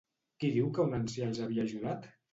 Qui diu un ancià que els havia ajudat?